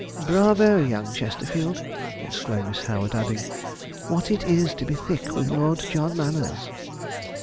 'Bravo, young Chesterfield!' exclaimed Miss Howard; adding, 'what it is to be thick with Lord John Manners!'